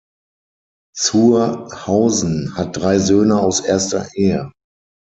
Zur Hausen hat drei Söhne aus erster Ehe.